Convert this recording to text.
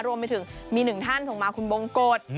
รวมไปถึงมีหนึ่งท่านส่งมาคุณบงกฎ